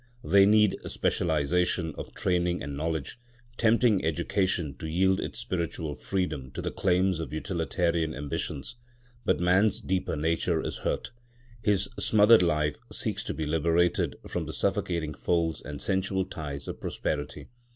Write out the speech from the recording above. They need specialisation of training and knowledge, tempting education to yield its spiritual freedom to the claims of utilitarian ambitions. But man's deeper nature is hurt; his smothered life seeks to be liberated from the suffocating folds and sensual ties of prosperity.